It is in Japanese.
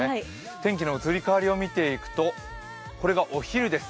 天気の移り変わりを見ていくと、これがお昼です。